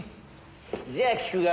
じゃあ聞くが。